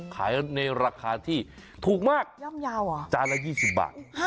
ขายในราคาที่ถูกมากย่อมเยาว์เหรอจานละ๒๐บาท